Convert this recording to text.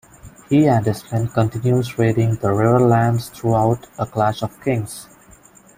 He and his men continue raiding the Riverlands throughout "A Clash of Kings".